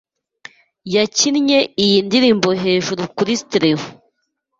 Yakinnye iyi ndirimbo hejuru kuri stereo